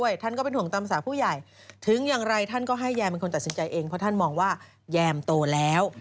แยมโตแล้ว